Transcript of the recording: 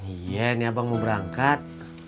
iya ini abang mau berangkat